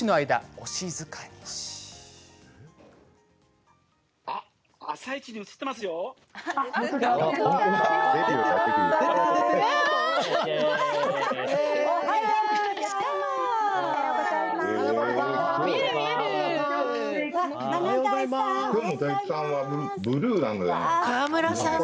おはようございます。